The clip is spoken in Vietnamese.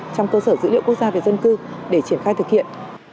trong cơ sở dữ liệu quốc gia về dân cư để triển khai thực hiện